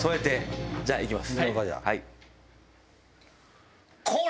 じゃあいきます。